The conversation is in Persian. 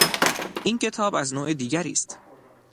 این کتاب از نوع دیگری است.